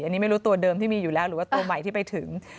อันนี้ไม่รู้ตัวเดิมที่มีอยู่แล้วหรือว่าตัวใหม่ที่ไปถึง